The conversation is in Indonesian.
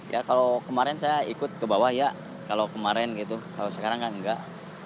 ya kalau kemarin saya ikut ke bawah ya kalau kemarin gitu kalau sekarang kan enggak